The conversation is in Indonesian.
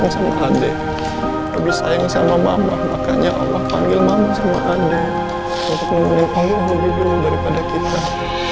negara indonesia seharusnya ia timeself melpiece di stress kunglias